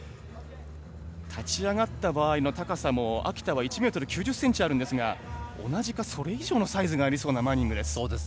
立ち上がった場合高さは秋田１ｍ９３ｃｍあるんですが同じかそれ以上のサイズがありそうなマニングです。